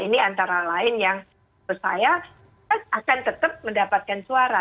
ini antara lain yang menurut saya akan tetap mendapatkan suara